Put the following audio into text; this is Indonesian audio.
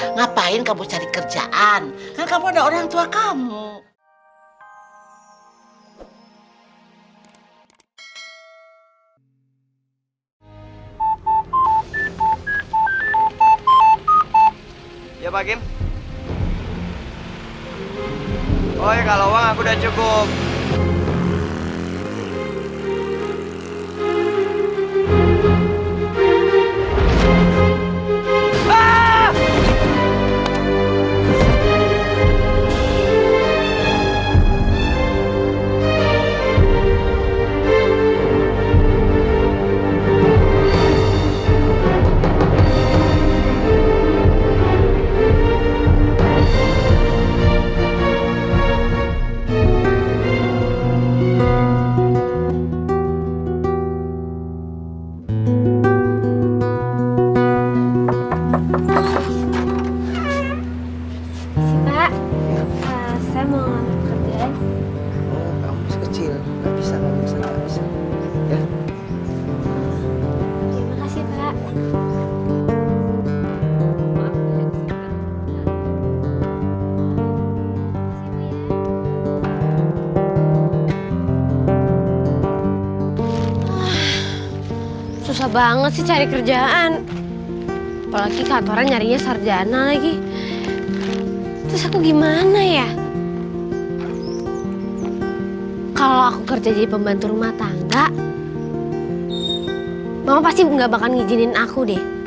ngapain kamu cari kerjaan kan kamu ada orang tua kamu